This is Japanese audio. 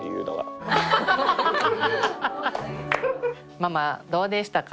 ママどうでしたか？